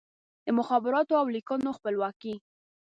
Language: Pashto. د مخابراتو او لیکونو خپلواکي